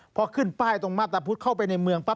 พอขึ้นป้ายตรงมาตรพุทธเข้าไปในเมืองปั๊